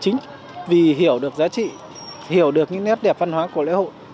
chính vì hiểu được giá trị hiểu được những nét đẹp văn hóa của lễ hội